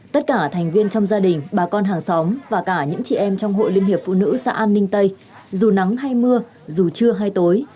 tất cả thành viên trong gia đình bà con hàng xóm và cả những chị em trong hội liên hiệp phụ nữ xã an ninh tây dù nắng hay mưa dù trưa hay tối